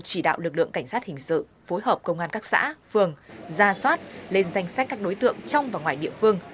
chỉ đạo lực lượng cảnh sát hình sự phối hợp công an các xã phường ra soát lên danh sách các đối tượng trong và ngoài địa phương